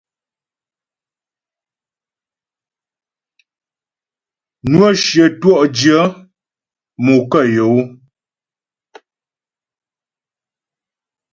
Nwə́ shyə twɔ'dyə̂ mo kə yɔ́ ó.